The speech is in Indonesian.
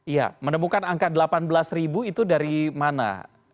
ya menemukan angka delapan belas ribu itu dari mana